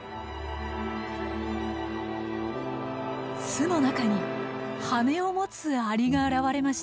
巣の中に羽を持つアリが現れました。